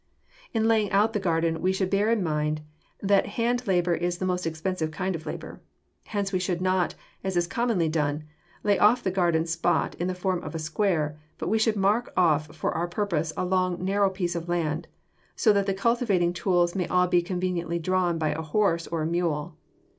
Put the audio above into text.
In laying out the garden we should bear in mind that hand labor is the most expensive kind of labor. Hence we should not, as is commonly done, lay off the garden spot in the form of a square, but we should mark off for our purpose a long, narrow piece of land, so that the cultivating tools may all be conveniently drawn by a horse or a mule.